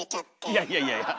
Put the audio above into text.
いやいやいやいや！